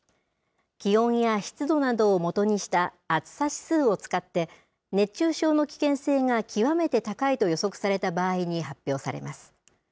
気温や湿度などを基にした暑さ指数を使って、熱中症の危険性が極めて高いと予測された場合に発表されます。